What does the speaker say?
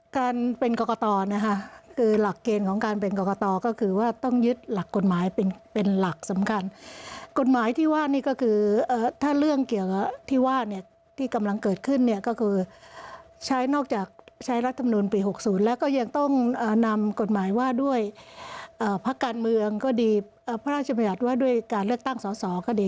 การเป็นกรกตนะคะคือหลักเกณฑ์ของการเป็นกรกตก็คือว่าต้องยึดหลักกฎหมายเป็นเป็นหลักสำคัญกฎหมายที่ว่านี่ก็คือถ้าเรื่องเกี่ยวกับที่ว่าเนี่ยที่กำลังเกิดขึ้นเนี่ยก็คือใช้นอกจากใช้รัฐมนุนปี๖๐แล้วก็ยังต้องนำกฎหมายว่าด้วยพักการเมืองก็ดีพระราชบัญญัติว่าด้วยการเลือกตั้งสอสอก็ดี